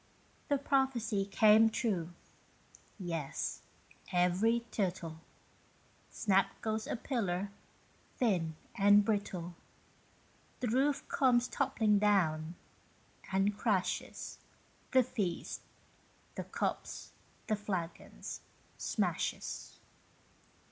The prophecy came true yes, every tittle; Snap goes a pillar, thin and brittle. The roof comes toppling down, and crashes The feast the cups, the flagons smashes.